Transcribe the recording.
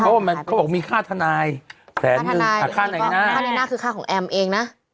เขาบอกมันเขาบอกมีค่าทนายแสนหนึ่งค่าทนายค่าในหน้าค่าในหน้าคือค่าของเอ็มเองนะ